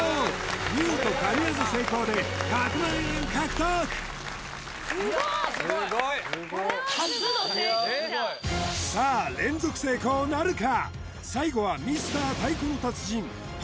見事神業成功でうわすごい・すごいさあ連続成功なるか？